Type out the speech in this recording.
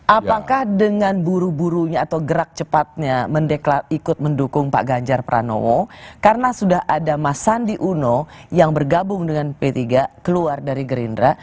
apakah dengan buru burunya atau gerak cepatnya ikut mendukung pak ganjar pranowo karena sudah ada mas sandi uno yang bergabung dengan p tiga keluar dari gerindra